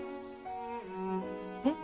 えっ？